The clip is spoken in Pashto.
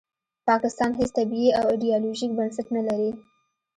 پاکستان هیڅ طبیعي او ایډیالوژیک بنسټ نلري